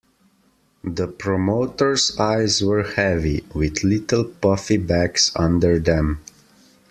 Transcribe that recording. The promoter's eyes were heavy, with little puffy bags under them.